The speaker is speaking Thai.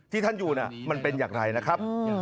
ที่ท่านอยู่มันเป็นอย่างไรนะครับ